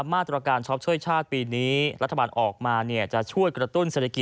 มาตรการช็อปช่วยชาติปีนี้รัฐบาลออกมาจะช่วยกระตุ้นเศรษฐกิจ